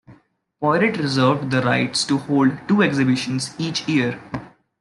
Poiret reserved the right to hold two exhibitions each year.